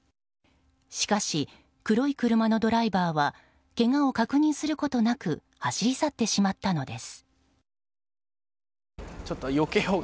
しかし、黒い車のドライバーはけがを確認することなく走り去ってしまったのです。